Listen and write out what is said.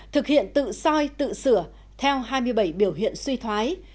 thực hiện tự soi tự sửa theo hai mươi bảy biểu hiện suy thoái